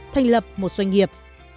thành lập một doanh nghiệp